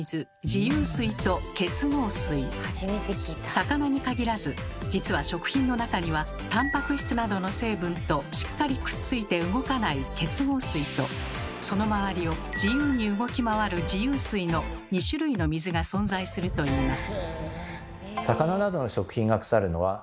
魚に限らず実は食品の中にはたんぱく質などの成分としっかりくっついて動かない結合水とその周りを自由に動き回る自由水の２種類の水が存在するといいます。